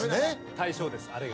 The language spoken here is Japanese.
大賞ですあれが。